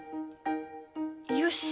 よし！